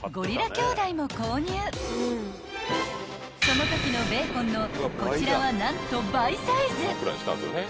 ［そのときのベーコンのこちらは何と倍サイズ］